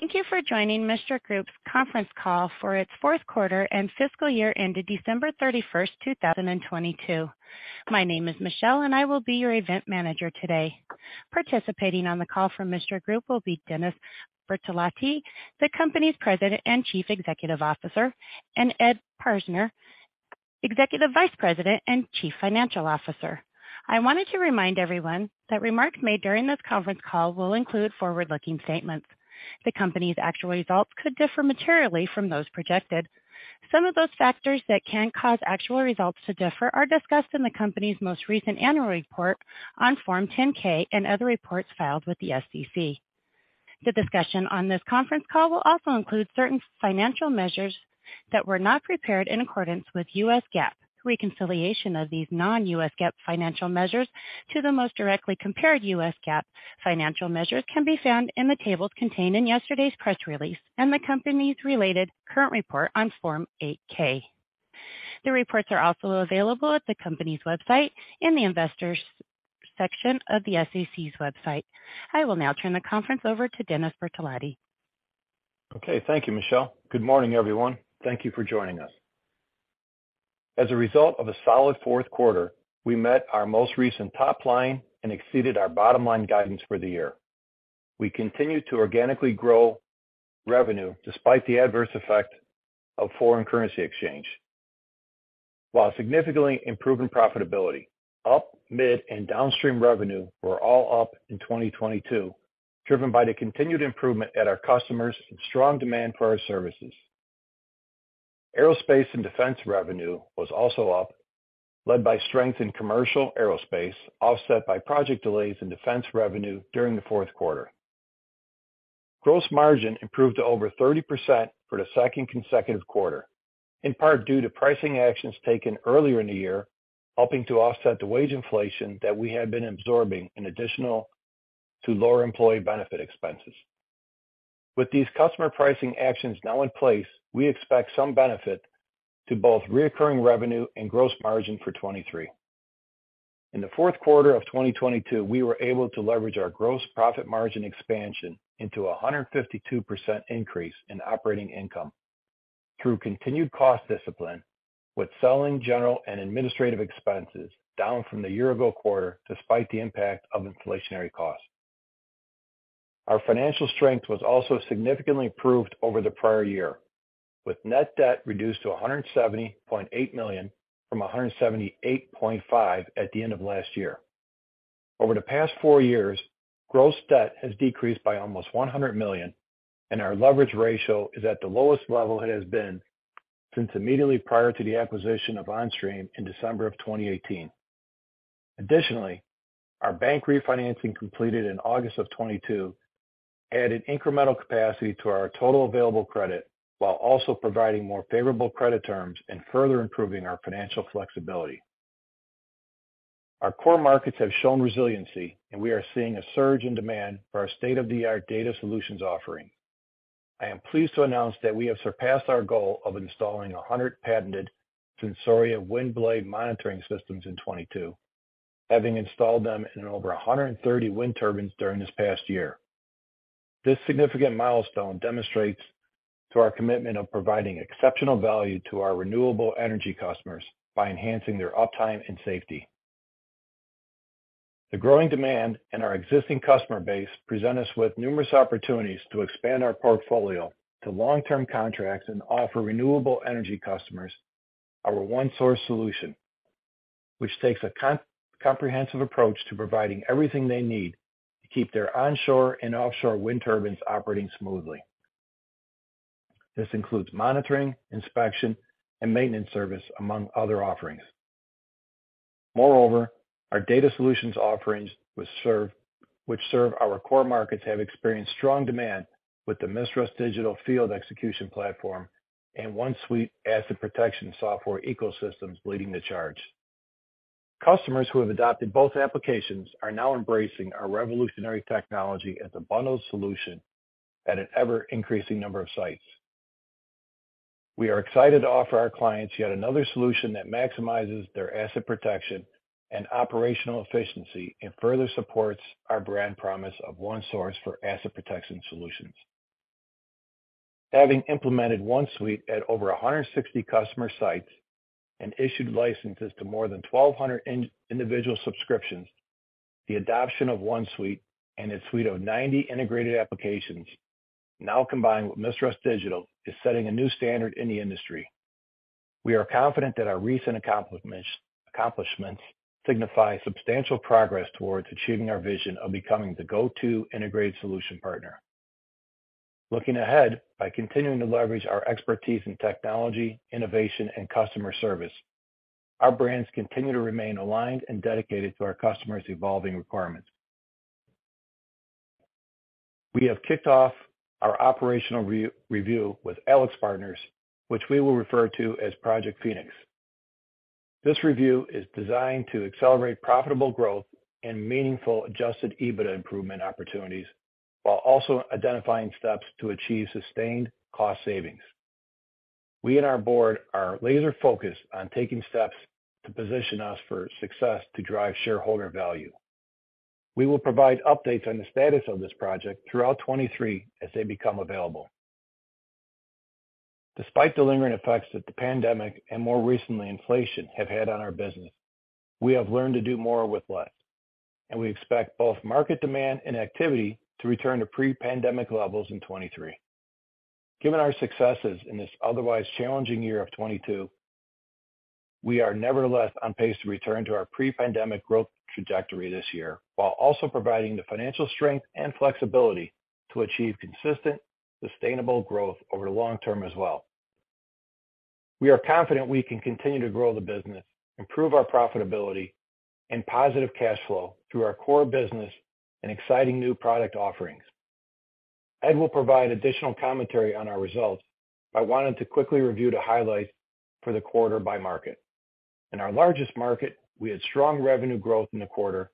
Thank you for joining Mistras Group's Conference Call for its Fourth Quarter and Fiscal Year Ended December 31st, 2022. My name is Michelle, and I will be your event manager today. Participating on the call from Mistras Group will be Dennis Bertolotti, the company's President and Chief Executive Officer, and Ed Prajzner, Executive Vice President and Chief Financial Officer. I wanted to remind everyone that remarks made during this conference call will include forward-looking statements. The company's actual results could differ materially from those projected. Some of those factors that can cause actual results to differ are discussed in the company's most recent annual report on Form 10-K and other reports filed with the SEC. The discussion on this conference call will also include certain financial measures that were not prepared in accordance with U.S. GAAP. Reconciliation of these non-U.S. GAAP financial measures to the most directly compared U.S. GAAP financial measures can be found in the tables contained in yesterday's press release and the company's related current report on Form 8-K. The reports are also available at the company's website in the investors section of the SEC's website. I will now turn the conference over to Dennis Bertolotti. Okay. Thank you, Michelle. Good morning, everyone. Thank you for joining us. As a result of a solid fourth quarter, we met our most recent top line and exceeded our bottom-line guidance for the year. We continued to organically grow revenue despite the adverse effect of foreign currency exchange, while significantly improving profitability. Up, mid, and downstream revenue were all up in 2022, driven by the continued improvement at our customers and strong demand for our services. Aerospace and defense revenue was also up, led by strength in commercial aerospace, offset by project delays in defense revenue during the fourth quarter. Gross margin improved to over 30% for the second consecutive quarter, in part due to pricing actions taken earlier in the year, helping to offset the wage inflation that we had been absorbing in additional to lower employee benefit expenses. With these customer pricing actions now in place, we expect some benefit to both recurring revenue and gross margin for 2023. In the fourth quarter of 2022, we were able to leverage our gross profit margin expansion into a 152% increase in operating income through continued cost discipline, with selling, general, and administrative expenses down from the year-ago quarter despite the impact of inflationary costs. Our financial strength was also significantly improved over the prior year, with net debt reduced to $170.8 million from $178.5 million at the end of last year. Over the past four years, gross debt has decreased by almost $100 million, and our leverage ratio is at the lowest level it has been since immediately prior to the acquisition of Onstream in December of 2018. Additionally, our bank refinancing completed in August of 2022 added incremental capacity to our total available credit while also providing more favorable credit terms and further improving our financial flexibility. Our core markets have shown resiliency. We are seeing a surge in demand for our state-of-the-art data solutions offering. I am pleased to announce that we have surpassed our goal of installing 100 patented Sensoria Wind Blade Monitoring Systems in 2022, having installed them in over 130 wind turbines during this past year. This significant milestone demonstrates to our commitment of providing exceptional value to our renewable energy customers by enhancing their uptime and safety. The growing demand in our existing customer base present us with numerous opportunities to expand our portfolio to long-term contracts and offer renewable energy customers our one-source solution, which takes a comprehensive approach to providing everything they need to keep their onshore and offshore wind turbines operating smoothly. This includes monitoring, inspection, and maintenance service, among other offerings. Moreover, our data solutions offerings which serve our core markets have experienced strong demand with the MISTRAS Digital field execution platform and OneSuite asset protection software ecosystems leading the charge. Customers who have adopted both applications are now embracing our revolutionary technology as a bundled solution at an ever-increasing number of sites. We are excited to offer our clients yet another solution that maximizes their asset protection and operational efficiency and further supports our brand promise of One Source for Asset Protection Solutions. Having implemented OneSuite at over 160 customer sites and issued licenses to more than 1,200 individual subscriptions, the adoption of OneSuite and its suite of 90 integrated applications, now combined with MISTRAS Digital, is setting a new standard in the industry. We are confident that our recent accomplishments signify substantial progress towards achieving our vision of becoming the go-to integrated solution partner. Looking ahead, by continuing to leverage our expertise in technology, innovation, and customer service, our brands continue to remain aligned and dedicated to our customers' evolving requirements. We have kicked off our operational re-review with AlixPartners, which we will refer to as Project Phoenix. This review is designed to accelerate profitable growth and meaningful Adjusted EBITDA improvement opportunities while also identifying steps to achieve sustained cost savings. We and our board are laser focused on taking steps to position us for success to drive shareholder value. We will provide updates on the status of this project throughout 2023 as they become available. Despite the lingering effects that the pandemic and more recently inflation have had on our business, we have learned to do more with less, and we expect both market demand and activity to return to pre-pandemic levels in 2023. Given our successes in this otherwise challenging year of 2022, we are nevertheless on pace to return to our pre-pandemic growth trajectory this year, while also providing the financial strength and flexibility to achieve consistent, sustainable growth over the long term as well. We are confident we can continue to grow the business, improve our profitability and positive cash flow through our core business and exciting new product offerings. Ed will provide additional commentary on our results. I wanted to quickly review the highlights for the quarter by market. In our largest market, we had strong revenue growth in the quarter,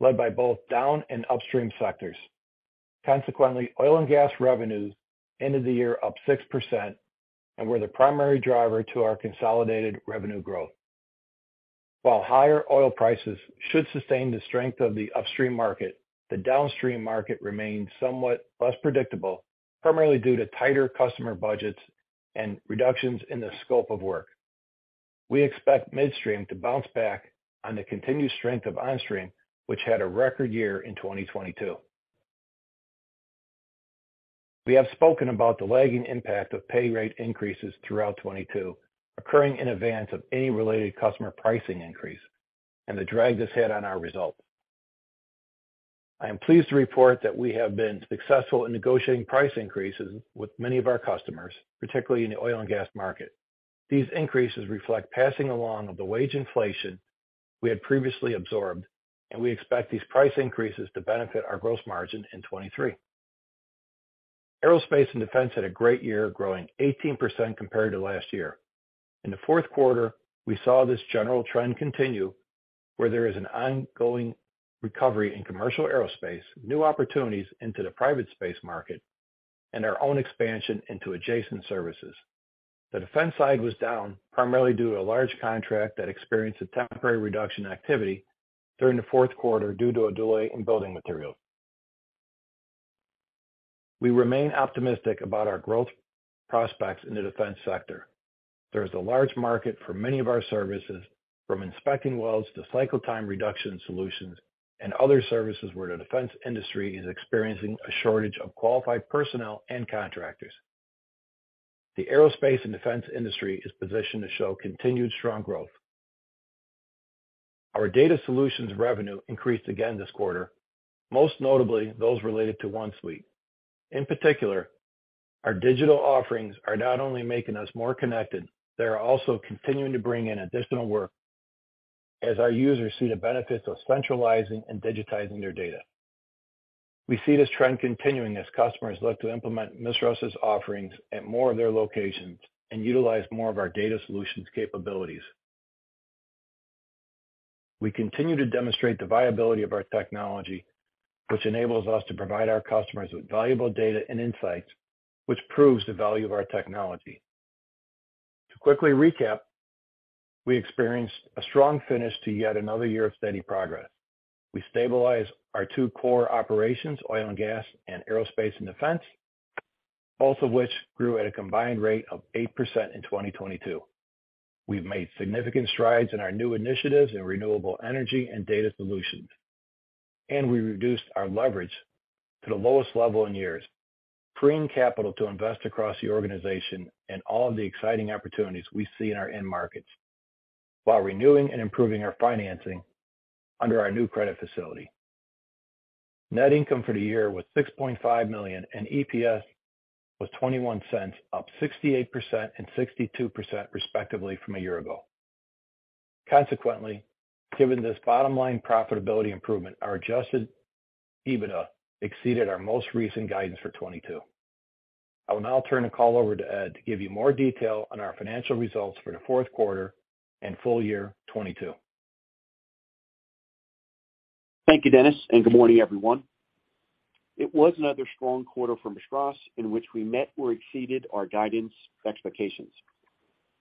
led by both down and upstream sectors. Consequently, oil and gas revenues ended the year up 6% and were the primary driver to our consolidated revenue growth. While higher oil prices should sustain the strength of the upstream market, the downstream market remains somewhat less predictable, primarily due to tighter customer budgets and reductions in the scope of work. We expect midstream to bounce back on the continued strength of Onstream, which had a record year in 2022. We have spoken about the lagging impact of pay rate increases throughout 2022 occurring in advance of any related customer pricing increase and the drag this had on our results. I am pleased to report that we have been successful in negotiating price increases with many of our customers, particularly in the oil and gas market. These increases reflect passing along of the wage inflation we had previously absorbed, and we expect these price increases to benefit our gross margin in 2023. Aerospace and defense had a great year, growing 18% compared to last year. In the fourth quarter, we saw this general trend continue where there is an ongoing recovery in commercial aerospace, new opportunities into the private space market and our own expansion into adjacent services. The defense side was down primarily due to a large contract that experienced a temporary reduction in activity during the fourth quarter due to a delay in building materials. We remain optimistic about our growth prospects in the defense sector. There is a large market for many of our services, from inspecting wells to cycle time reduction solutions and other services where the defense industry is experiencing a shortage of qualified personnel and contractors. The aerospace and defense industry is positioned to show continued strong growth. Our data solutions revenue increased again this quarter, most notably those related to OneSuite. In particular, our digital offerings are not only making us more connected, they are also continuing to bring in additional work as our users see the benefits of centralizing and digitizing their data. We see this trend continuing as customers look to implement MISTRAS' offerings at more of their locations and utilize more of our data solutions capabilities. We continue to demonstrate the viability of our technology, which enables us to provide our customers with valuable data and insights, which proves the value of our technology. To quickly recap, we experienced a strong finish to yet another year of steady progress. We stabilized our two core operations, oil and gas and aerospace and defense, both of which grew at a combined rate of 8% in 2022. We've made significant strides in our new initiatives in renewable energy and data solutions, and we reduced our leverage to the lowest level in years, freeing capital to invest across the organization and all of the exciting opportunities we see in our end markets while renewing and improving our financing under our new credit facility. Net income for the year was $6.5 million and EPS was $0.21, up 68% and 62% respectively from a year ago. Consequently, given this bottom line profitability improvement, our Adjusted EBITDA exceeded our most recent guidance for 2022. I will now turn the call over to Ed to give you more detail on our financial results for the fourth quarter and full year 2022. Thank you, Dennis, good morning, everyone. It was another strong quarter for MISTRAS in which we met or exceeded our guidance expectations.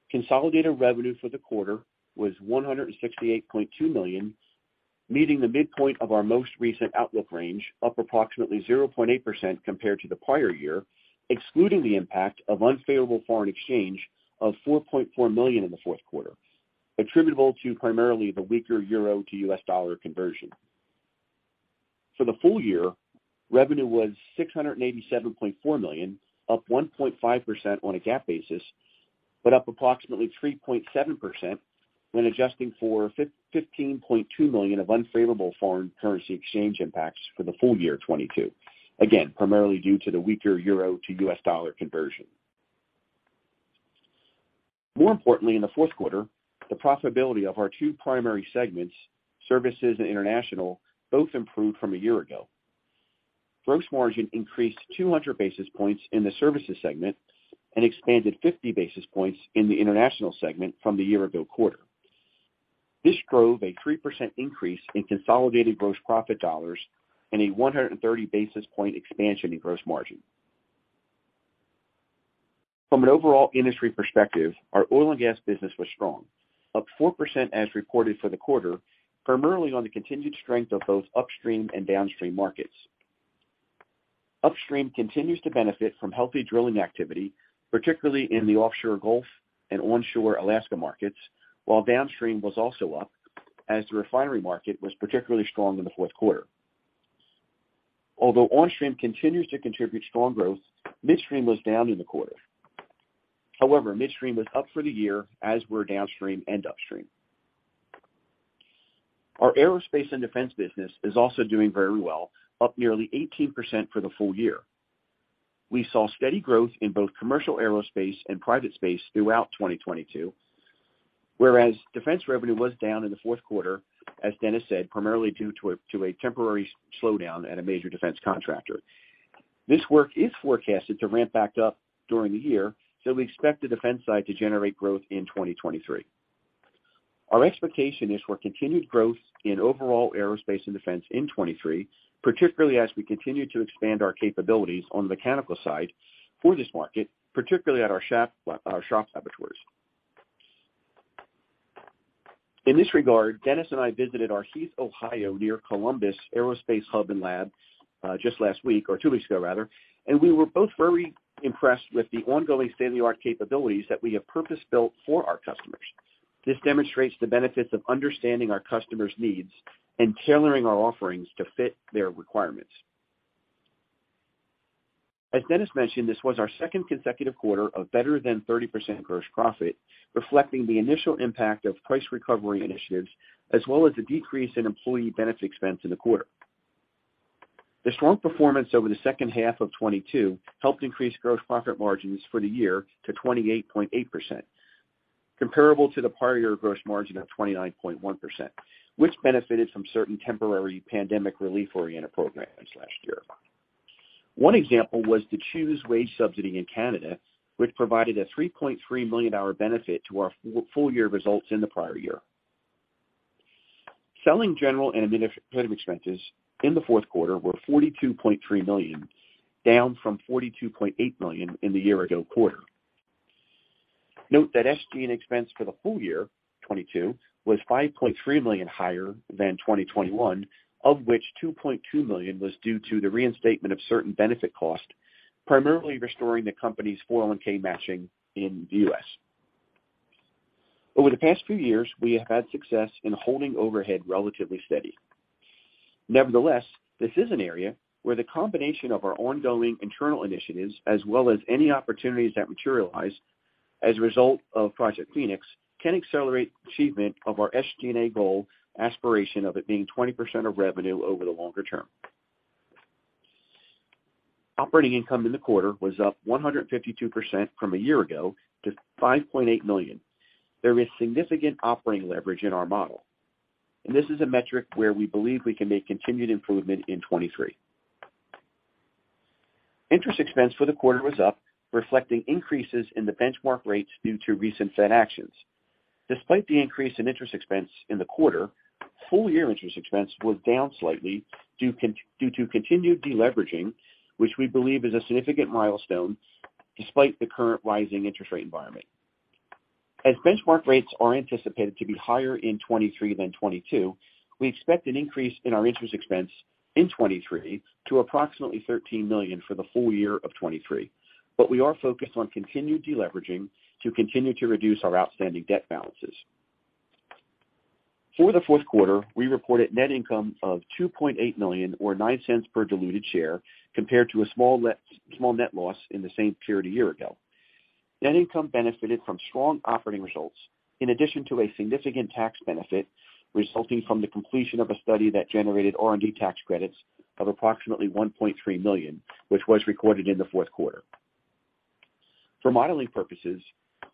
Consolidated revenue for the quarter was $168.2 million, meeting the midpoint of our most recent outlook range, up approximately 0.8% compared to the prior year, excluding the impact of unfavorable foreign exchange of $4.4 million in the fourth quarter, attributable to primarily the weaker euro to U.S. dollar conversion. For the full year, revenue was $687.4 million, up 1.5% on a GAAP basis, but up approximately 3.7% when adjusting for $15.2 million of unfavorable foreign currency exchange impacts for the full year 2022. Again, primarily due to the weaker euro to U.S. dollar conversion. More importantly, in the fourth quarter, the profitability of our two primary segments, services and international, both improved from a year ago. Gross margin increased 200 basis points in the services segment and expanded 50 basis points in the international segment from the year ago quarter. This drove a 3% increase in consolidated gross profit dollars and a 130 basis point expansion in gross margin. From an overall industry perspective, our oil and gas business was strong, up 4% as reported for the quarter, primarily on the continued strength of both upstream and downstream markets. Upstream continues to benefit from healthy drilling activity, particularly in the offshore Gulf and onshore Alaska markets, while downstream was also up as the refinery market was particularly strong in the fourth quarter. Although onshore continues to contribute strong growth, midstream was down in the quarter. However, midstream was up for the year, as were downstream and upstream. Our aerospace and defense business is also doing very well, up nearly 18% for the full year. We saw steady growth in both commercial aerospace and private space throughout 2022, whereas defense revenue was down in the fourth quarter, as Dennis said, primarily due to a temporary slowdown at a major defense contractor. This work is forecasted to ramp back up during the year, so we expect the defense side to generate growth in 2023. Our expectation is for continued growth in overall aerospace and defense in 2023, particularly as we continue to expand our capabilities on the mechanical side for this market, particularly at our shop laboratories. In this regard, Dennis and I visited our Heath, Ohio, near Columbus Aerospace Hub and Lab, just last week, or two weeks ago rather, and we were both very impressed with the ongoing state-of-the-art capabilities that we have purpose-built for our customers. This demonstrates the benefits of understanding our customers' needs and tailoring our offerings to fit their requirements. As Dennis mentioned, this was our second consecutive quarter of better than 30% gross profit, reflecting the initial impact of price recovery initiatives as well as a decrease in employee benefit expense in the quarter. The strong performance over the second half of 2022 helped increase gross profit margins for the year to 28.8%, comparable to the prior year gross margin of 29.1%, which benefited from certain temporary pandemic relief-oriented programs last year. One example was the Choose Wage Subsidy in Canada, which provided a $3.3 million benefit to our full year results in the prior year. Selling, general and administrative expenses in the fourth quarter were $42.3 million, down from $42.8 million in the year-ago quarter. Note that SG&A expense for the full year 2022 was $5.3 million higher than 2021, of which $2.2 million was due to the reinstatement of certain benefit costs, primarily restoring the company's 401(k) matching in the U.S. Over the past few years, we have had success in holding overhead relatively steady. This is an area where the combination of our ongoing internal initiatives as well as any opportunities that materialize as a result of Project Phoenix can accelerate achievement of our SG&A goal aspiration of it being 20% of revenue over the longer term. Operating income in the quarter was up 152% from a year ago to $5.8 million. There is significant operating leverage in our model, this is a metric where we believe we can make continued improvement in 2023. Interest expense for the quarter was up, reflecting increases in the benchmark rates due to recent Fed actions. Despite the increase in interest expense in the quarter, full year interest expense was down slightly due to continued deleveraging, which we believe is a significant milestone despite the current rising interest rate environment. As benchmark rates are anticipated to be higher in 2023 than 2022, we expect an increase in our interest expense in 2023 to approximately $13 million for the full year of 2023. We are focused on continued deleveraging to continue to reduce our outstanding debt balances. For the fourth quarter, we reported net income of $2.8 million or $0.09 per diluted share compared to a small net loss in the same period a year ago. Net income benefited from strong operating results in addition to a significant tax benefit resulting from the completion of a study that generated R&D tax credits of approximately $1.3 million, which was recorded in the fourth quarter. For modeling purposes,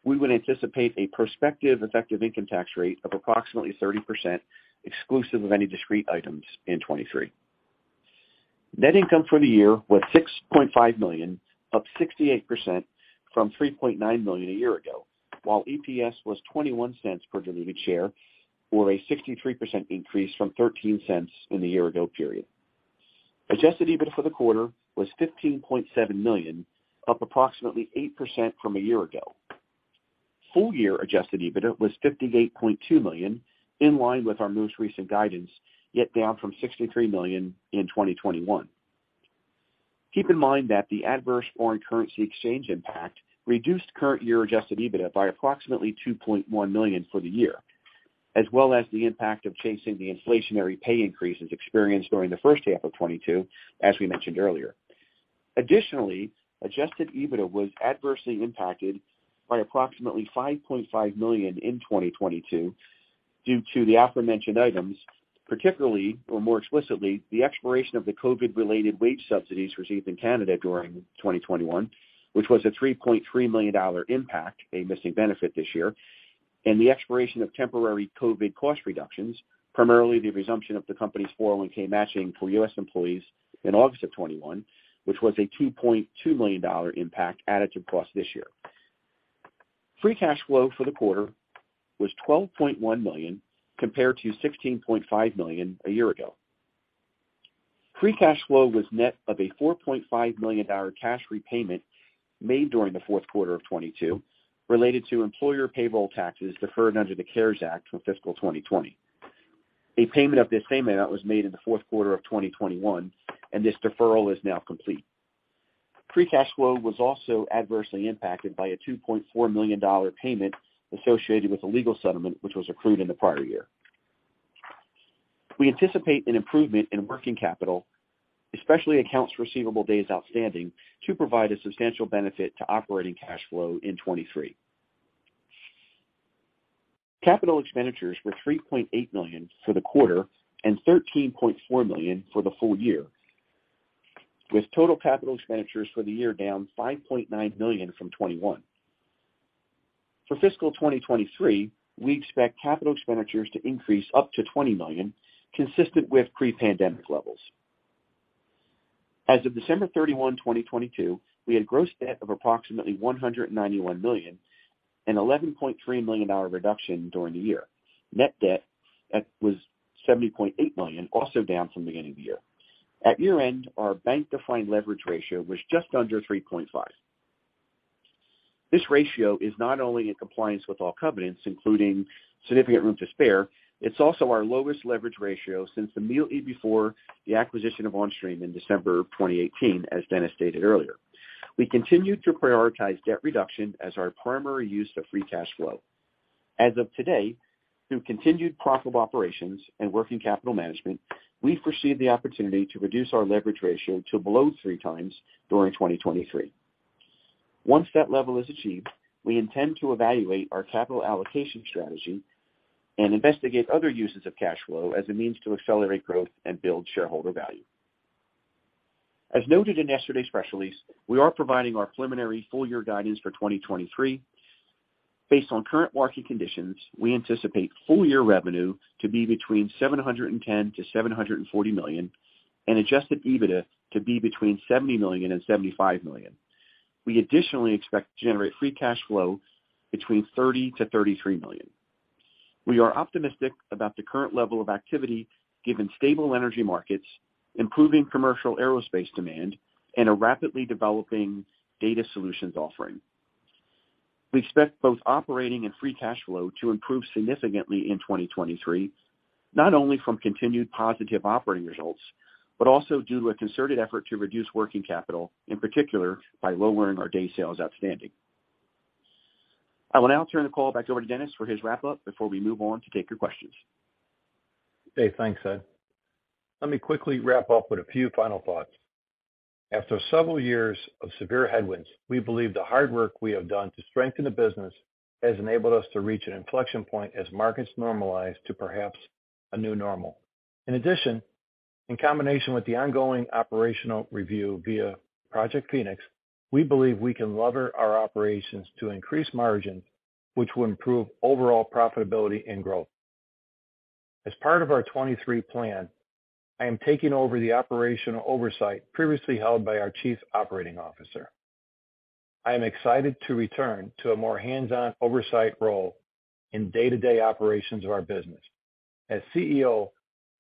we would anticipate a prospective effective income tax rate of approximately 30% exclusive of any discrete items in 2023. Net income for the year was $6.5 million, up 68% from $3.9 million a year ago, while EPS was $0.21 per diluted share or a 63% increase from $0.13 in the year ago period. Adjusted EBITDA for the quarter was $15.7 million, up approximately 8% from a year ago. Full year Adjusted EBITDA was $58.2 million, in line with our most recent guidance, yet down from $63 million in 2021. Keep in mind that the adverse foreign currency exchange impact reduced current year Adjusted EBITDA by approximately $2.1 million for the year, as well as the impact of chasing the inflationary pay increases experienced during the first half of 2022, as we mentioned earlier. Adjusted EBITDA was adversely impacted by approximately $5.5 million in 2022 due to the aforementioned items, particularly or more explicitly, the expiration of the COVID-related wage subsidies received in Canada during 2021, which was a $3.3 million impact, a missing benefit this year. The expiration of temporary COVID cost reductions, primarily the resumption of the company's 401(k) matching for U.S. employees in August of 2021, which was a $2.2 million impact added to cost this year. Free cash flow for the quarter was $12.1 million compared to $16.5 million a year ago. Free cash flow was net of a $4.5 million cash repayment made during the fourth quarter of 2022 related to employer payroll taxes deferred under the CARES Act for fiscal 2020. A payment of this same amount was made in the fourth quarter of 2021, and this deferral is now complete. Free cash flow was also adversely impacted by a $2.4 million payment associated with a legal settlement which was accrued in the prior year. We anticipate an improvement in working capital, especially accounts receivable days outstanding, to provide a substantial benefit to operating cash flow in 2023. Capital expenditures were $3.8 million for the quarter and $13.4 million for the full year, with total capital expenditures for the year down $5.9 million from 2021. For fiscal 2023, we expect capital expenditures to increase up to $20 million, consistent with pre-pandemic levels. As of December 31, 2022, we had gross debt of approximately $191 million, an $11.3 million reduction during the year. Net debt was $70.8 million, also down from beginning of the year. At year-end, our bank-defined leverage ratio was just under 3.5. This ratio is not only in compliance with all covenants, including significant room to spare, it's also our lowest leverage ratio since immediately before the acquisition of Onstream in December 2018, as Dennis stated earlier. We continued to prioritize debt reduction as our primary use of free cash flow. As of today, through continued profitable operations and working capital management, we foresee the opportunity to reduce our leverage ratio to below 3x during 2023. Once that level is achieved, we intend to evaluate our capital allocation strategy and investigate other uses of cash flow as a means to accelerate growth and build shareholder value. As noted in yesterday's press release, we are providing our preliminary full-year guidance for 2023. Based on current market conditions, we anticipate full year revenue to be between $710 million-$740 million and Adjusted EBITDA to be between $70 million and $75 million. We additionally expect to generate free cash flow between $30 million-$33 million. We are optimistic about the current level of activity given stable energy markets, improving commercial aerospace demand, and a rapidly developing data solutions offering. We expect both operating and free cash flow to improve significantly in 2023, not only from continued positive operating results, but also due to a concerted effort to reduce working capital, in particular by lowering our days sales outstanding. I will now turn the call back over to Dennis for his wrap-up before we move on to take your questions. Okay, thanks, Ed. Let me quickly wrap up with a few final thoughts. After several years of severe headwinds, we believe the hard work we have done to strengthen the business has enabled us to reach an inflection point as markets normalize to perhaps a new normal. In combination with the ongoing operational review via Project Phoenix, we believe we can lever our operations to increase margins, which will improve overall profitability and growth. As part of our 2023 plan, I am taking over the operational oversight previously held by our chief operating officer. I am excited to return to a more hands-on oversight role in day-to-day operations of our business. As CEO,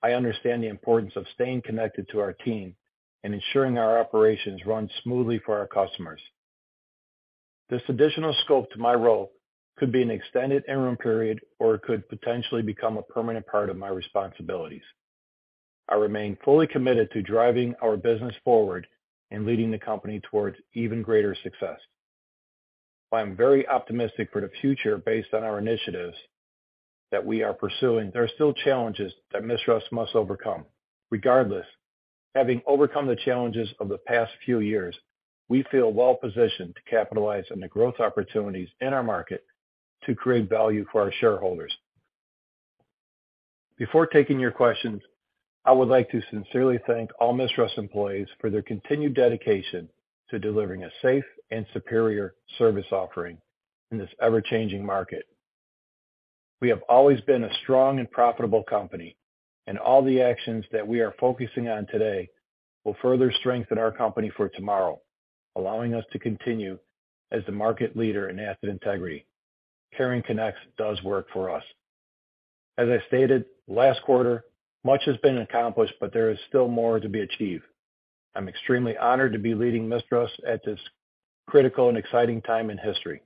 I understand the importance of staying connected to our team and ensuring our operations run smoothly for our customers. This additional scope to my role could be an extended interim period or it could potentially become a permanent part of my responsibilities. I remain fully committed to driving our business forward and leading the company towards even greater success. While I'm very optimistic for the future based on our initiatives that we are pursuing, there are still challenges that MISTRAS must overcome. Regardless, having overcome the challenges of the past few years, we feel well positioned to capitalize on the growth opportunities in our market to create value for our shareholders. Before taking your questions, I would like to sincerely thank all MISTRAS employees for their continued dedication to delivering a safe and superior service offering in this ever-changing market. We have always been a strong and profitable company, and all the actions that we are focusing on today will further strengthen our company for tomorrow, allowing us to continue as the market leader in asset integrity. Caring Connects does work for us. As I stated last quarter, much has been accomplished, but there is still more to be achieved. I'm extremely honored to be leading MISTRAS at this critical and exciting time in history.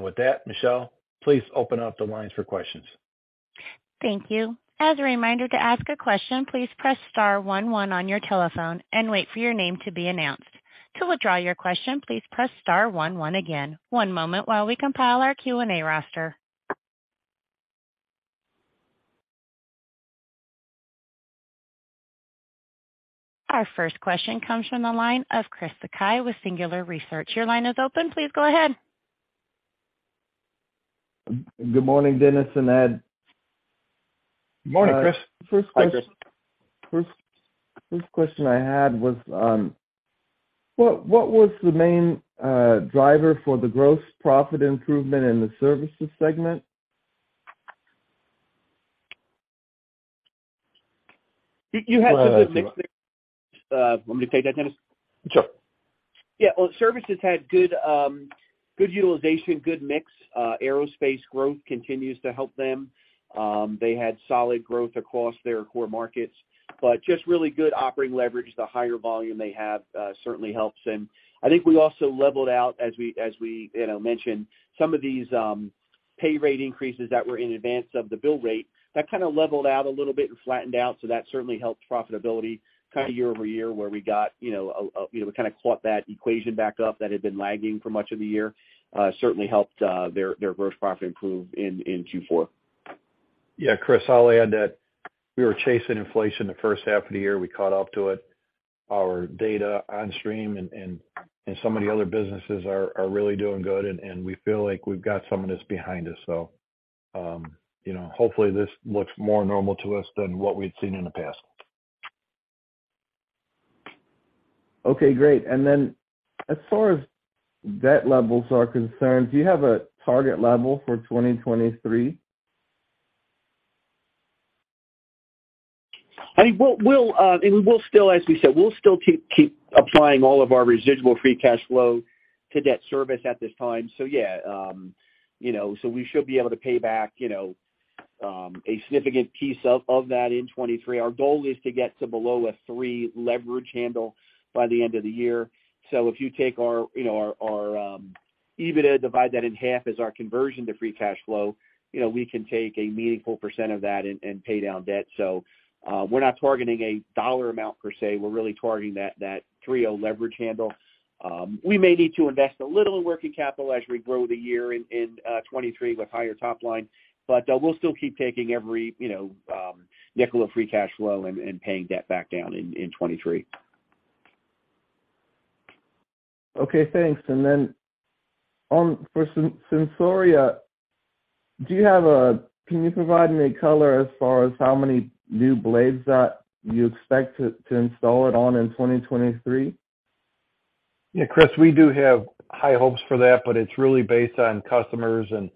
With that, Michelle, please open up the lines for questions. Thank you. As a reminder to ask a question, please press star one one on your telephone and wait for your name to be announced. To withdraw your question, please press star one one again. One moment while we compile our Q&A roster. Our first question comes from the line of Chris Sakai with Singular Research. Your line is open. Please go ahead. Good morning, Dennis and Ed. Good morning, Chris. Hi, Chris. First question I had was, what was the main driver for the gross profit improvement in the services segment? You. Go ahead, Ed. Want me to take that, Dennis? Sure. Services had good utilization, good mix. Aerospace growth continues to help them. They had solid growth across their core markets, but just really good operating leverage. The higher volume they have, certainly helps. I think we also leveled out as we, you know, mentioned some of these pay rate increases that were in advance of the bill rate. That kind of leveled out a little bit and flattened out, so that certainly helped profitability kind of year-over-year, where we got, you know, a, you know, we kind of caught that equation back up that had been lagging for much of the year. Certainly helped their gross profit improve in Q4. Yeah, Chris, I'll add that we were chasing inflation the first half of the year. We caught up to it. Our data Onstream and some of the other businesses are really doing good and we feel like we've got some of this behind us. You know, hopefully this looks more normal to us than what we'd seen in the past. Okay, great. As far as debt levels are concerned, do you have a target level for 2023? I mean, we'll still as we said, we'll still keep applying all of our residual free cash flow to debt service at this time. Yeah, you know, so we should be able to pay back, you know, a significant piece of that in 2023. Our goal is to get to below a 3 leverage handle by the end of the year. If you take our, you know, our EBITDA, divide that in half as our conversion to free cash flow, you know, we can take a meaningful percent of that and pay down debt. We're not targeting a dollar amount per se. We're really targeting that 3.0 leverage handle. We may need to invest a little in working capital as we grow the year in 2023 with higher top line, we'll still keep taking every, you know, nickel of free cash flow and paying debt back down in 2023. Okay, thanks. On for Sensoria, do you have can you provide any color as far as how many new blades that you expect to install it on in 2023? Chris, we do have high hopes for that, but it's really based on customers and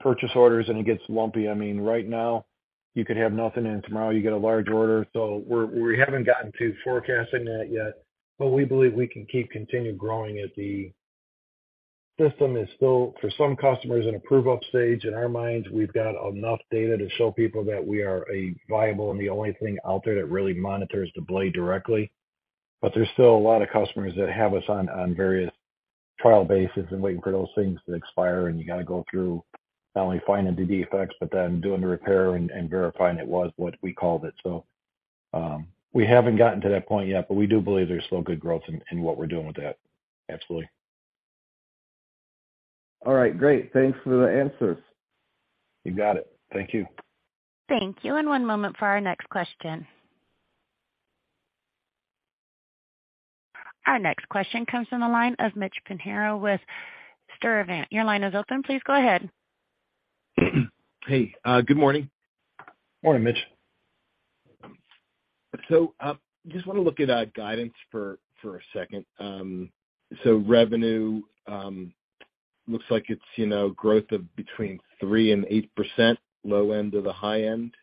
purchase orders, and it gets lumpy. I mean, right now you could have nothing, tomorrow you get a large order. We haven't gotten to forecasting that yet, but we believe we can keep continuing growing as the system is still for some customers in a prove-up stage. In our minds, we've got enough data to show people that we are a viable and the only thing out there that really monitors the blade directly. There's still a lot of customers that have us on various trial bases and waiting for those things to expire. You got to go through not only finding the defects, but then doing the repairing and verifying it was what we called it. We haven't gotten to that point yet, but we do believe there's still good growth in what we're doing with that. Absolutely. All right, great. Thanks for the answers. You got it. Thank you. Thank you. One moment for our next question. Our next question comes from the line of Mitch Pinheiro with Sturdivant. Your line is open. Please go ahead. Hey, good morning. Morning, Mitch. Just want to look at guidance for a second. Revenue looks like it's, you know, growth of between 3%-8%, low end to the high end.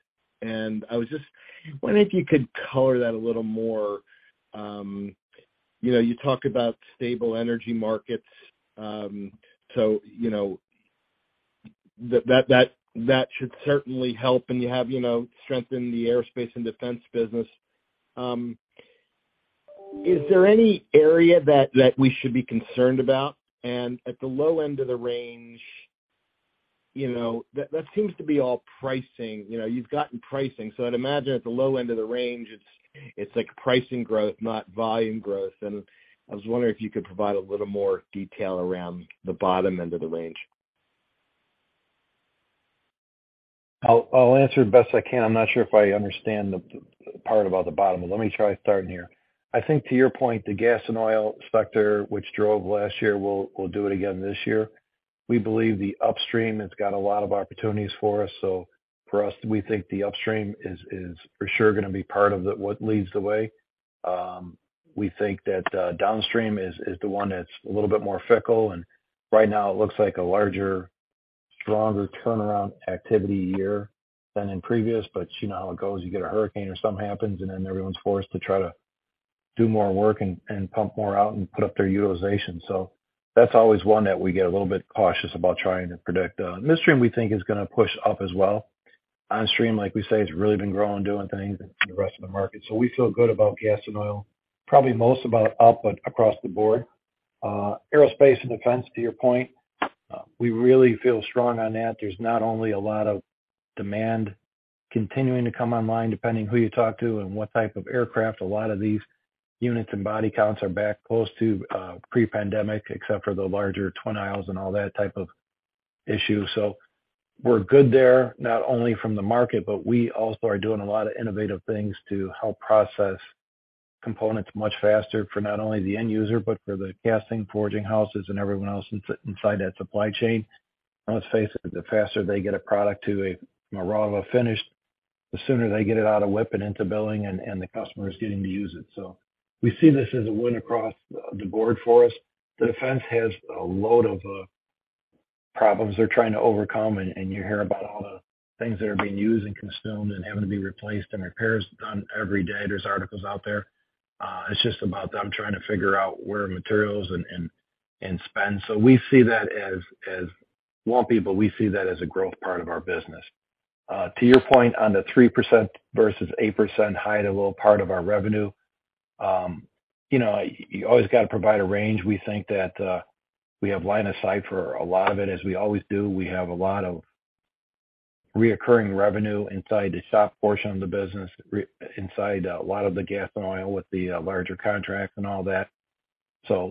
I was just wondering if you could color that a little more. You know, you talk about stable energy markets, so you know that should certainly help. You have, you know, strength in the aerospace and defense business. Is there any area that we should be concerned about? At the low end of the range, you know, that seems to be all pricing. You know, you've gotten pricing, so I'd imagine at the low end of the range, it's like pricing growth, not volume growth. I was wondering if you could provide a little more detail around the bottom end of the range. I'll answer it best I can. I'm not sure if I understand the part about the bottom. Let me try starting here. I think to your point, the gas and oil sector, which drove last year, will do it again this year. We believe the upstream has got a lot of opportunities for us. For us, we think the upstream is for sure going to be part of what leads the way. We think that downstream is the one that's a little bit more fickle. Right now it looks like a larger, stronger turnaround activity year than in previous. You know how it goes. You get a hurricane or something happens, and then everyone's forced to try to do more work and pump more out and put up their utilization. That's always one that we get a little bit cautious about trying to predict. Midstream, we think is gonna push up as well. Onstream, like we say, has really been growing, doing things in the rest of the market. We feel good about gas and oil, probably most about up across the board. Aerospace and defense, to your point, we really feel strong on that. There's not only a lot of demand continuing to come online, depending who you talk to and what type of aircraft. A lot of these units and body counts are back close to pre-pandemic, except for the larger twin aisles and all that type of issue. We're good there, not only from the market, but we also are doing a lot of innovative things to help process components much faster for not only the end user, but for the casting, forging houses and everyone else inside that supply chain. Let's face it, the faster they get a product to a more raw finished, the sooner they get it out of WIP and into billing, and the customer is getting to use it. We see this as a win across the board for us. The defense has a load of problems they're trying to overcome. You hear about all the things that are being used and consumed and having to be replaced and repairs done every day. There's articles out there. It's just about them trying to figure out where materials and spend. We see that as won't be, but we see that as a growth part of our business. To your point on the 3% versus 8% high of a little part of our revenue, you know, you always got to provide a range. We think that we have line of sight for a lot of it as we always do. We have a lot of recurring revenue inside the soft portion of the business inside a lot of the gas and oil with the larger contracts and all that.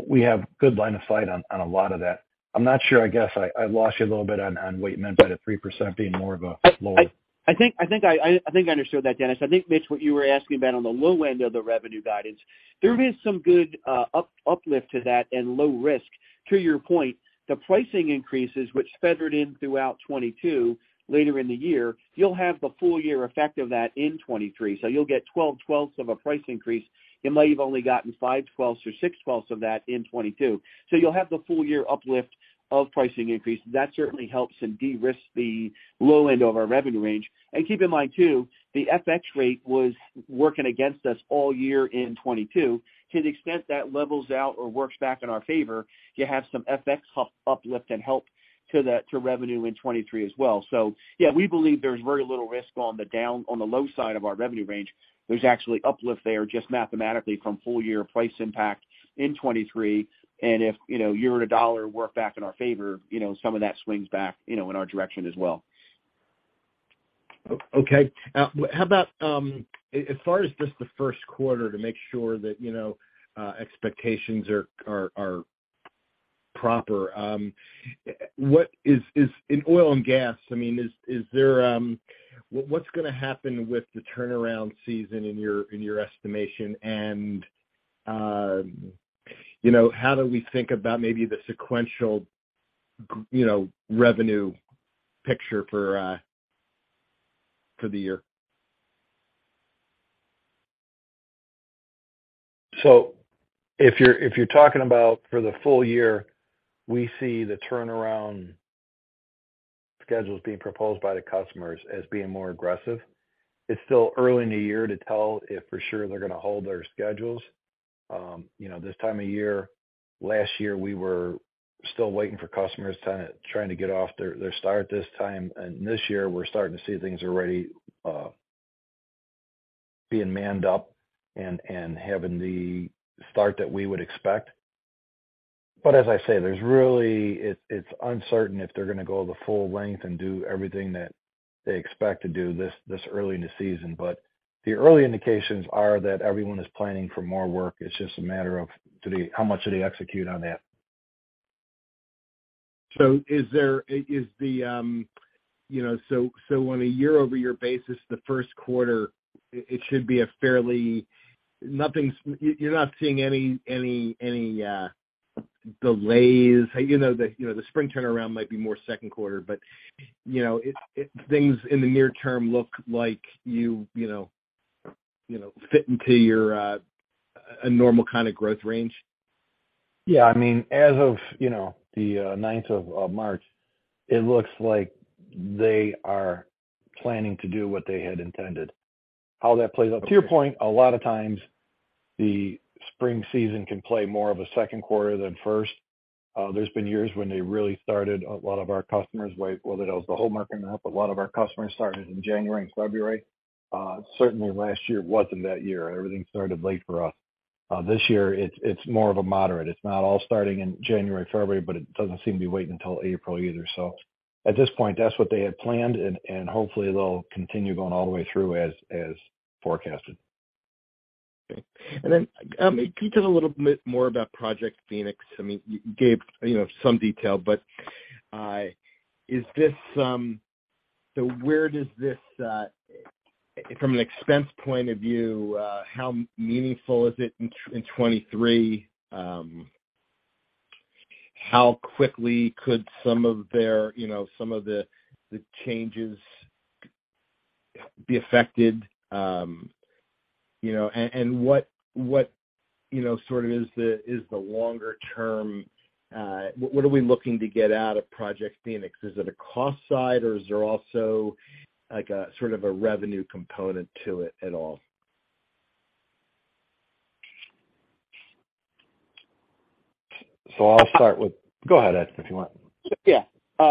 We have good line of sight on a lot of that. I'm not sure. I guess I lost you a little bit on what you meant by the 3% being more of a lower- I think I understood that, Dennis. Mitch, what you were asking about on the low end of the revenue guidance, there is some good uplift to that and low risk. To your point, the pricing increases which feathered in throughout 2022, later in the year, you'll have the full year effect of that in 2023. You'll get 12/12th of a price increase in what you've only gotten 5/12th or 6/12th of that in 2022. You'll have the full year uplift of pricing increase. That certainly helps and de-risk the low end of our revenue range. Keep in mind too, the FX rate was working against us all year in 2022. To the extent that levels out or works back in our favor, you have some FX uplift and help to revenue in 2023 as well. Yeah, we believe there's very little risk on the down, on the low side of our revenue range. There's actually uplift there just mathematically from full year price impact in 2023. If, you know, year and a dollar work back in our favor, you know, some of that swings back, you know, in our direction as well. Okay. How about as far as just the first quarter to make sure that, you know, expectations are proper, what is in oil and gas, I mean, is there, what's gonna happen with the turnaround season in your estimation? you know, how do we think about maybe the sequential, you know, revenue picture for the year? If you're, if you're talking about for the full year, we see the turnaround schedules being proposed by the customers as being more aggressive. It's still early in the year to tell if for sure they're gonna hold their schedules. You know, this time of year, last year, we were still waiting for customers trying to, trying to get off their start this time. This year, we're starting to see things already being manned up and having the start that we would expect. As I say, it's uncertain if they're gonna go the full length and do everything that they expect to do this early in the season. The early indications are that everyone is planning for more work. It's just a matter of how much do they execute on that. Is there, is the, you know. On a year-over-year basis, the first quarter, it should be fairly. Nothing's. You're not seeing any delays. You know, the, you know, the spring turnaround might be more second quarter, but, you know, it, things in the near term look like you know, fit into your normal kind of growth range. Yeah. I mean, as of, you know, the 9th of March, it looks like they are planning to do what they had intended. How that plays out, to your point, a lot of times the spring season can play more of a second quarter than first. There's been years when they really started, a lot of our customers, whether that was the whole market or not, but a lot of our customers started in January and February. Certainly last year wasn't that year. Everything started late for us. This year it's more of a moderate. It's not all starting in January, February, but it doesn't seem to be waiting until April either. At this point, that's what they had planned and hopefully they'll continue going all the way through as forecasted. Okay. Then, can you tell a little bit more about Project Phoenix? I mean, you gave, you know, some detail. Where does this from an expense point of view, how meaningful is it in 2023? How quickly could some of their, you know, some of the changes be affected? You know, what, you know, sort of is the, is the longer term, what are we looking to get out of Project Phoenix? Is it a cost side or is there also like a sort of a revenue component to it at all? I'll start with. Go ahead, Ed, if you want.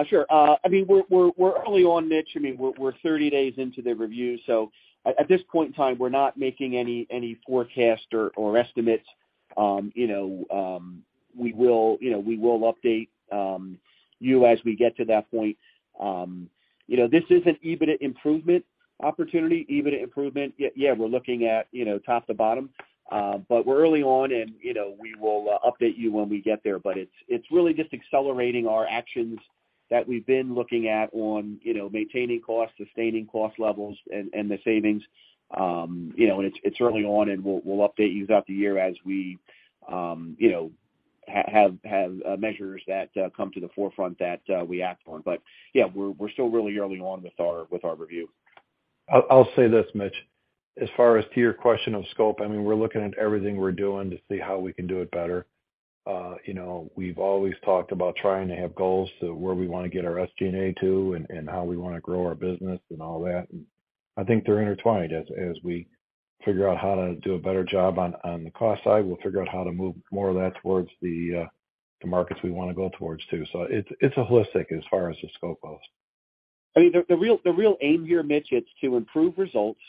Sure. I mean, we're early on, Mitch. I mean, we're 30 days into the review, at this point in time, we're not making any forecast or estimates. You know, we will, you know, we will update you as we get to that point. You know, this is an EBITDA improvement opportunity. EBITDA improvement. Yeah, we're looking at, you know, top to bottom. We're early on and, you know, we will update you when we get there. It's really just accelerating our actions that we've been looking at on, you know, maintaining costs, sustaining cost levels and the savings. you know, and it's early on and we'll update you throughout the year as we, you know, have measures that, come to the forefront that, we act on. Yeah, we're still really early on with our review. I'll say this, Mitch. As far as to your question of scope, I mean, we're looking at everything we're doing to see how we can do it better. you know, we've always talked about trying to have goals to where we wanna get our SG&A to and how we wanna grow our business and all that. I think they're intertwined. As we figure out how to do a better job on the cost side, we'll figure out how to move more of that towards the markets we wanna go towards too. It's a holistic as far as the scope goes. I mean, the real aim here, Mitch, it's to improve results,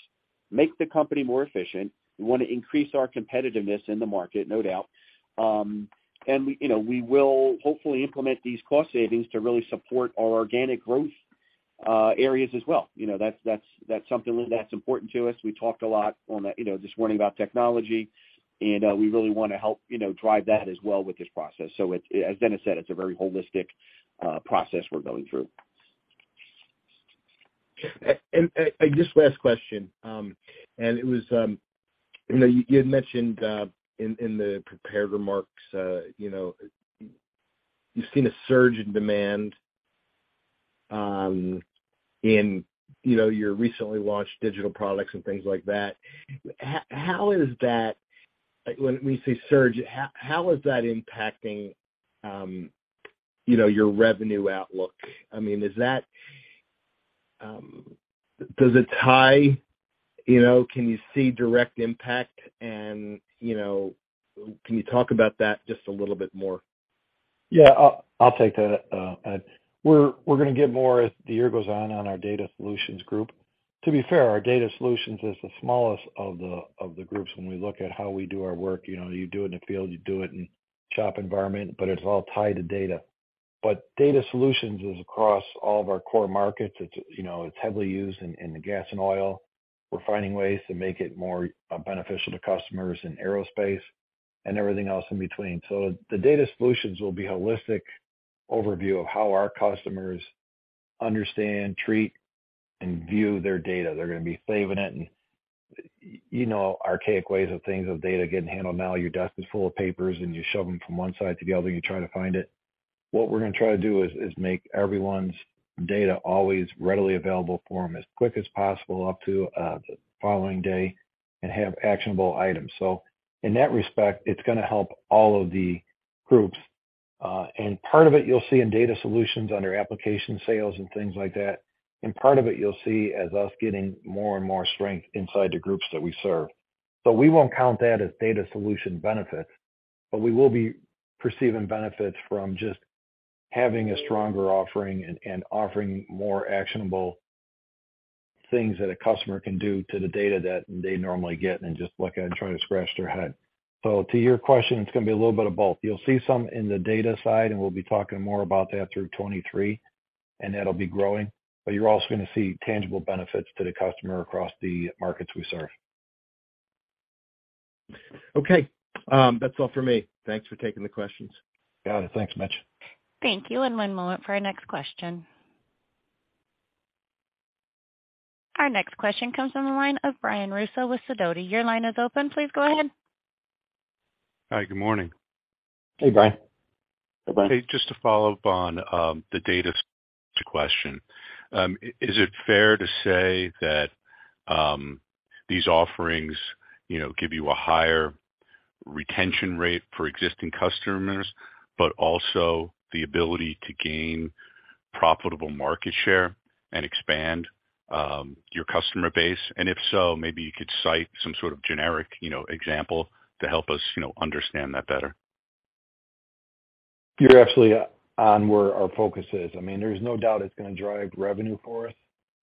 make the company more efficient. We wanna increase our competitiveness in the market, no doubt. We, you know, we will hopefully implement these cost savings to really support our organic growth areas as well. You know, that's something that's important to us. We talked a lot on that, you know, this morning about technology, and we really wanna help, you know, drive that as well with this process. As Dennis said, it's a very holistic process we're going through. Just last question. It was, you know, you'd mentioned in the prepared remarks, you know, you've seen a surge in demand, you know, your recently launched digital products and things like that. How is that? When we say surge, how is that impacting, you know, your revenue outlook? I mean, is that? Does it tie? You know, can you see direct impact? You know, can you talk about that just a little bit more? Yeah. I'll take that. We're gonna give more as the year goes on on our data solutions group. To be fair, our data solutions is the smallest of the groups when we look at how we do our work. You know, you do it in the field, you do it in shop environment, but it's all tied to data. Data solutions is across all of our core markets. It's, you know, it's heavily used in the gas and oil. We're finding ways to make it more beneficial to customers in aerospace and everything else in between. The data solutions will be a holistic overview of how our customers understand, treat, and view their data. They're gonna be saving it and, you know, archaic ways of things of data getting handled now. Your desk is full of papers and you shove them from one side to the other, you try to find it. What we're gonna try to do is make everyone's data always readily available for them as quick as possible up to the following day and have actionable items. In that respect, it's gonna help all of the groups. Part of it you'll see in data solutions under application sales and things like that. Part of it you'll see as us getting more and more strength inside the groups that we serve. We won't count that as data solution benefits, but we will be perceiving benefits from just having a stronger offering and offering more actionable things that a customer can do to the data that they normally get and just look at and try to scratch their head. To your question, it's gonna be a little bit of both. You'll see some in the data side, and we'll be talking more about that through 2023, and that'll be growing, but you're also gonna see tangible benefits to the customer across the markets we serve. Okay. That's all for me. Thanks for taking the questions. Got it. Thanks, Mitch. Thank you. One moment for our next question. Our next question comes from the line of Brian Russo with Sidoti. Your line is open. Please go ahead. Hi. Good morning. Hey, Brian. Hey, Brian. Hey, just to follow up on the data question. Is it fair to say that these offerings, you know, give you a higher retention rate for existing customers, but also the ability to gain profitable market share and expand your customer base? If so, maybe you could cite some sort of generic, you know, example to help us, you know, understand that better. You're actually on where our focus is. I mean, there's no doubt it's gonna drive revenue for us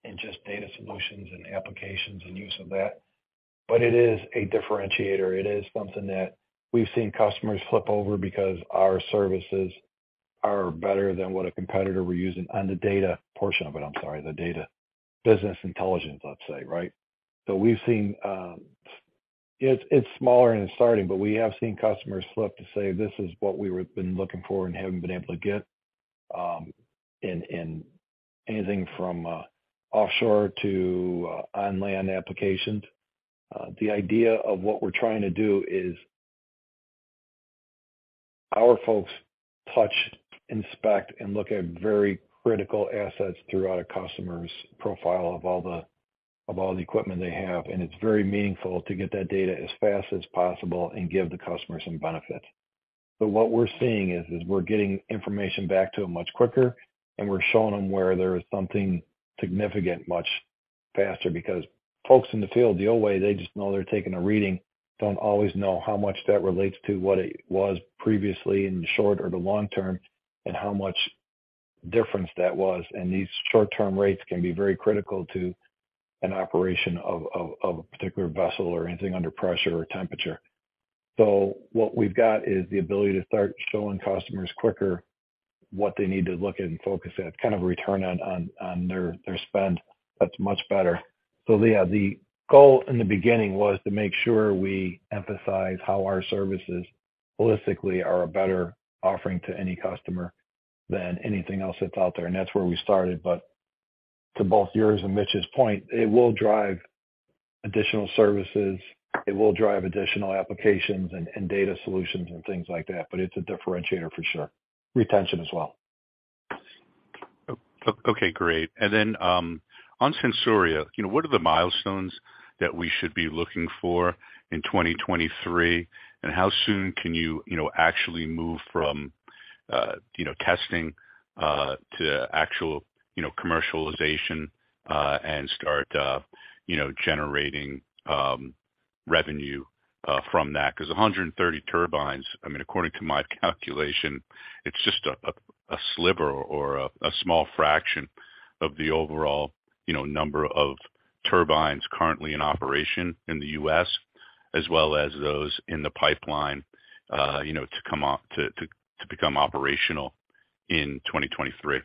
in just data solutions and applications and use of that. It is a differentiator. It is something that we've seen customers flip over because our services are better than what a competitor we're using on the data portion of it, I'm sorry, the data business intelligence, let's say, right? It's smaller and it's starting, but we have seen customers slip to say, "This is what we were looking for and haven't been able to get," in anything from offshore to on land applications. The idea of what we're trying to do is our folks touch, inspect, and look at very critical assets throughout a customer's profile of all the equipment they have. It's very meaningful to get that data as fast as possible and give the customer some benefit. What we're seeing is we're getting information back to them much quicker, and we're showing them where there is something significant much faster because folks in the field, the old way, they just know they're taking a reading, don't always know how much that relates to what it was previously in the short or the long term and how much difference that was. These short-term rates can be very critical to an operation of a particular vessel or anything under pressure or temperature. What we've got is the ability to start showing customers quicker what they need to look at and focus at, kind of return on their spend that's much better. Yeah, the goal in the beginning was to make sure we emphasize how our services holistically are a better offering to any customer than anything else that's out there. That's where we started, but to both yours and Mitch's point, it will drive additional services, it will drive additional applications and data solutions and things like that, but it's a differentiator for sure. Retention as well. Okay, great. Then, on Sensoria, you know, what are the milestones that we should be looking for in 2023? How soon can you know, actually move from, you know, testing, to actual, you know, commercialization, and start, you know, generating, revenue, from that? 'Cause 130 turbines, I mean, according to my calculation, it's just a sliver or a small fraction of the overall, you know, number of turbines currently in operation in the U.S. as well as those in the pipeline, you know, to become operational in 2023.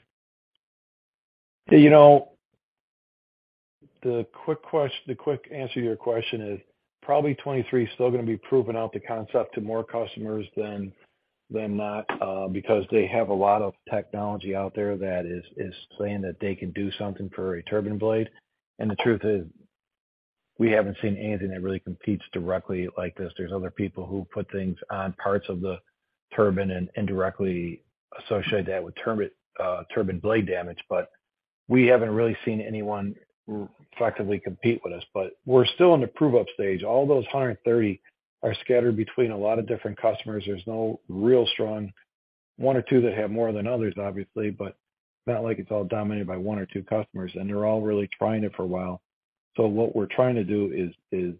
You know, the quick answer to your question is probably 2023 is still gonna be proving out the concept to more customers than not because they have a lot of technology out there that is saying that they can do something for a turbine blade. The truth is, we haven't seen anything that really competes directly like this. There's other people who put things on parts of the turbine and indirectly associate that with turbine blade damage, but we haven't really seen anyone effectively compete with us. We're still in the prove-up stage. All those 130 are scattered between a lot of different customers. There's no real strong one or two that have more than others, obviously, but not like it's all dominated by one or two customers, They're all really trying it for a while. What we're trying to do is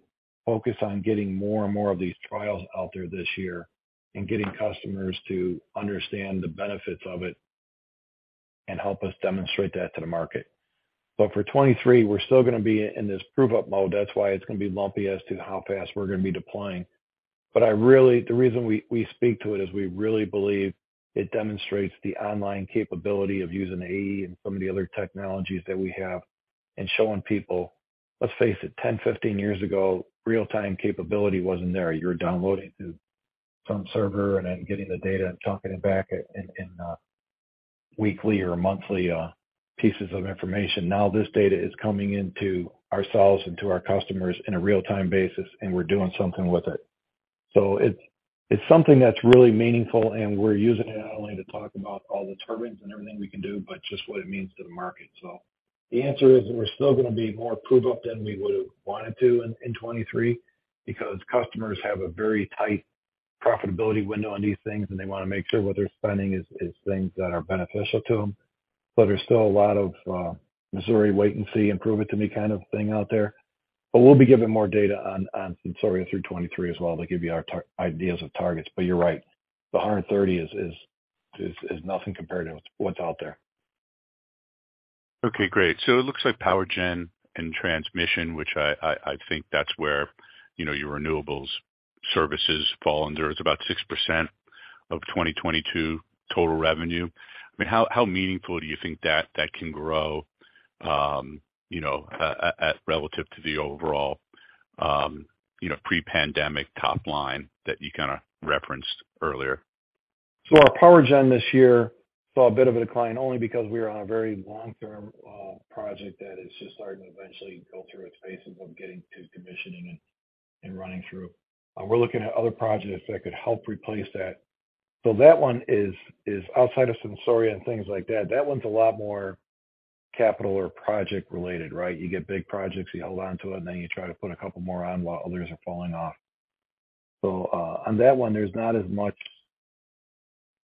focus on getting more and more of these trials out there this year and getting customers to understand the benefits of it and help us demonstrate that to the market. For 2023, we're still gonna be in this prove-up mode. That's why it's gonna be lumpy as to how fast we're gonna be deploying. The reason we speak to it is we really believe it demonstrates the online capability of using AE and some of the other technologies that we have and showing people. Let's face it, 10, 15 years ago, real-time capability wasn't there. You were downloading through some server and then getting the data and chucking it back in weekly or monthly pieces of information. This data is coming into ourselves and to our customers in a real-time basis, and we're doing something with it. It's something that's really meaningful, and we're using it not only to talk about all the turbines and everything we can do, but just what it means to the market. The answer is we're still gonna be more prove-up than we would have wanted to in 2023 because customers have a very tight profitability window on these things, and they wanna make sure what they're spending is things that are beneficial to them. There's still a lot of Missouri wait and see and prove it to me kind of thing out there. We'll be giving more data on Sensoria through 2023 as well to give you our ideas of targets. You're right. The 130 is nothing compared to what's out there. Okay, great. It looks like power gen and transmission, which I think that's where, you know, your renewables services fall under. It's about 6% of 2022 total revenue. I mean, how meaningful do you think that can grow, you know, at relative to the overall, you know, pre-pandemic top line that you kinda referenced earlier? Our power gen this year saw a bit of a decline only because we are on a very long-term project that is just starting to eventually go through its phases of getting to commissioning and running through. We're looking at other projects that could help replace that. That one is outside of Sensoria and things like that. That one's a lot more capital or project related, right? You get big projects, you hold onto it, and then you try to put a couple more on while others are falling off. On that one, there's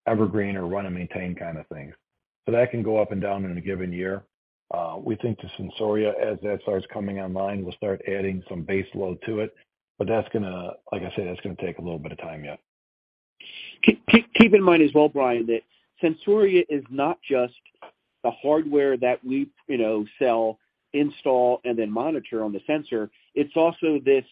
not as much evergreen or run and maintain kind of things. That can go up and down in a given year. We think the Sensoria, as that starts coming online, we'll start adding some base load to it. Like I said, that's gonna take a little bit of time yet. Keep in mind as well, Brian, that Sensoria is not just the hardware that we, you know, sell, install, and then monitor on the sensor. It's also this,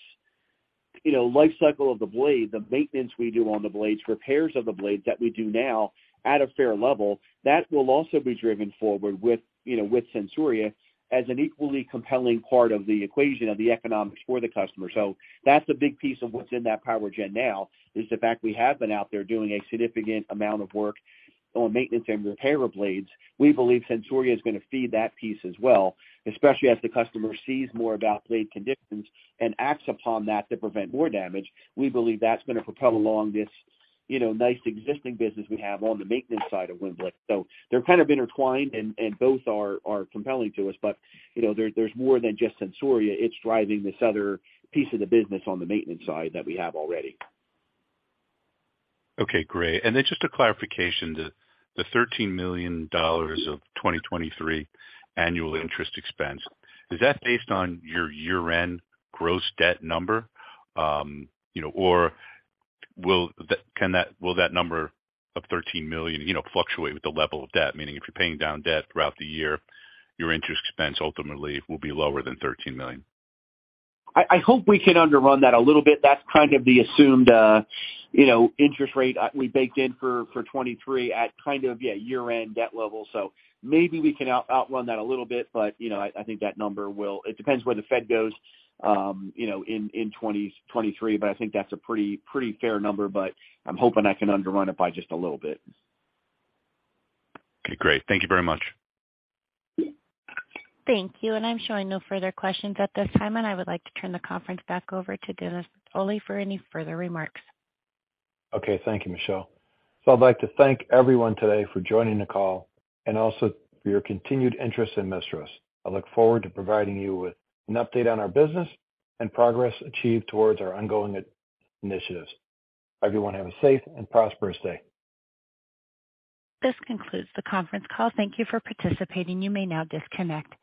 you know, life cycle of the blade, the maintenance we do on the blades, repairs of the blade that we do now at a fair level. That will also be driven forward with, you know, with Sensoria as an equally compelling part of the equation of the economics for the customer. That's a big piece of what's in that power gen now, is the fact we have been out there doing a significant amount of work on maintenance and repair of blades. We believe Sensoria is gonna feed that piece as well, especially as the customer sees more about blade conditions and acts upon that to prevent more damage. We believe that's gonna propel along this, you know, nice existing business we have on the maintenance side of wind blade. They're kind of intertwined and both are compelling to us. You know, there's more than just Sensoria. It's driving this other piece of the business on the maintenance side that we have already. Okay, great. Just a clarification. The $13 million of 2023 annual interest expense, is that based on your year-end gross debt number? you know, or will that number of $13 million, you know, fluctuate with the level of debt? Meaning if you're paying down debt throughout the year, your interest expense ultimately will be lower than $13 million. I hope we can underrun that a little bit. That's kind of the assumed, you know, interest rate we baked in for 2023 at kind of, yeah, year-end debt level. Maybe we can outrun that a little bit. You know, I think that number will. It depends where the Fed goes, you know, in 2023, but I think that's a pretty fair number. I'm hoping I can underrun it by just a little bit. Okay, great. Thank you very much. Thank you. I'm showing no further questions at this time, and I would like to turn the conference back over to Dennis Bertolotti for any further remarks. Thank you, Michelle. I'd like to thank everyone today for joining the call and also for your continued interest in MISTRAS. I look forward to providing you with an update on our business and progress achieved towards our ongoing initiatives. Everyone have a safe and prosperous day. This concludes the conference call. Thank you for participating. You may now disconnect.